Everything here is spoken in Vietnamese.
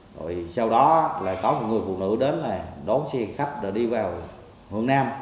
rồi sau đó lại có một người phụ nữ đến là đón xe khách đã đi vào hướng nam